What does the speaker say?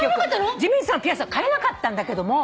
ジミンさんのピアスは買えなかったんだけども。